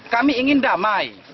kami ingin damai